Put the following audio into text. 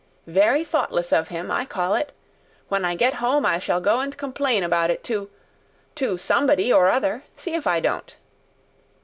Very thoughtless of him, I call it. When I get home I shall go and complain about it to—to somebody or other, see if I don't!"